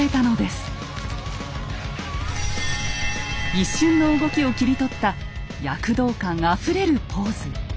一瞬の動きを切り取った躍動感あふれるポーズ。